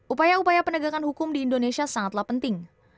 upaya upaya penegakan hukum di indonesia sangatlah penting